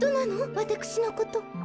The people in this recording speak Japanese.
わたくしのこと。